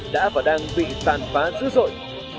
đã và đang bị tàn phá dữ dội